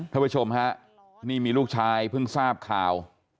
ข้าวชมฮะนี่มีลูกชายเพิ่งซ่าบข่าว